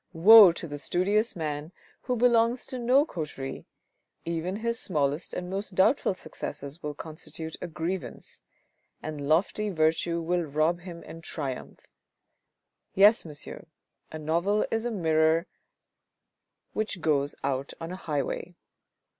Woe to the studious man who belongs to no coterie, even his smallest and most doubtful successes will constitute a grievance, and lofty virtue will rob him and triumph. Yes, monsieur, a novel is a mirror which goes out on a highway.